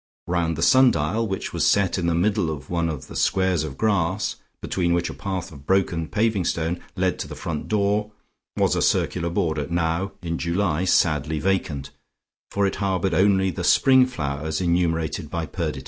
Round the sundial, which was set in the middle of one of the squares of grass between which a path of broken paving stone led to the front door, was a circular border, now, in July, sadly vacant, for it harboured only the spring flowers enumerated by Perdita.